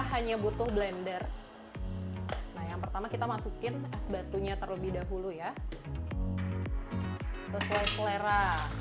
hanya butuh blender nah yang pertama kita masukin es batunya terlebih dahulu ya sesuai selera